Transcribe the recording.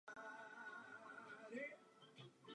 Se sochami putoval po Těšínském Slezsku a levně je prodával.